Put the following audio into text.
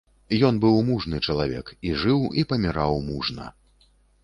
Ён быў мужны чалавек, і жыў, і паміраў мужна.